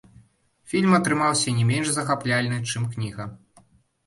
Фільм атрымаўся не менш захапляльны, чым кніга.